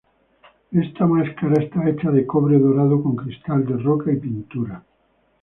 Esta máscara está hecha de cobre dorado con cristal de roca y pintura.